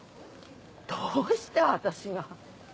どうして私が。